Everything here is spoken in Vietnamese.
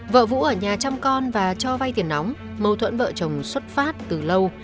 vợ vũ ở nhà chăm con và cho vay tiền nóng mâu thuẫn vợ chồng xuất phát từ lâu